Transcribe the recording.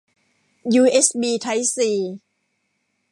ยูเอสบี ไทป์ซี